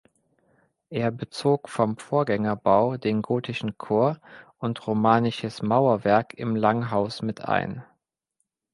Er bezog vom Vorgängerbau den gotischen Chor und romanisches Mauerwerk im Langhaus mit ein.